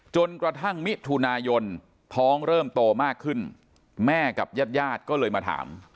จนกระทั่งมิถุนายนท้องเริ่มโตมากขึ้นแม่กับญาติญาติก็เลยมาถาม